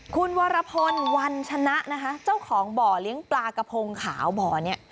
คุณวรพลวันชนะนะคะเจ้าของบ่อเลี้ยงปลากระพงขาวบ่อนี้